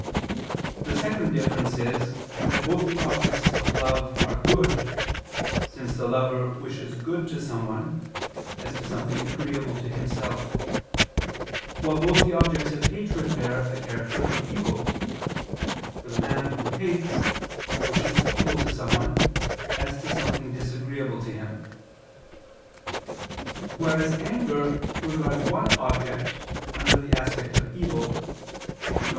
The second difference is, that both the objects of love are good: since the lover wishes good to someone, as to something agreeable to himself: while both the objects of hatred bear the character of evil: for the man who hates, wishes evil to someone, as to something disagreeable to him. Whereas anger regards one object under the aspect of evil, viz.